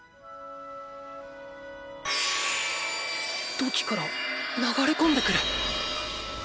土器から流れ込んでくる⁉